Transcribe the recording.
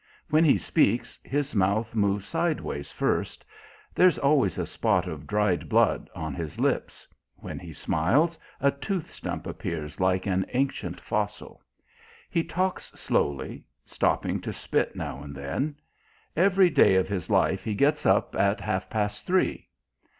When he speaks, his mouth moves sideways first; there's always a spot of dried blood on his lip; when he smiles a tooth stump appears like an ancient fossil. He talks slowly, stopping to spit now and then; every day of his life he gets up at half past three.